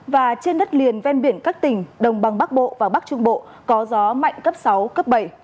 và trên đất liền ven biển các tỉnh đồng bằng bắc bộ và bắc trung bộ có gió mạnh cấp sáu cấp bảy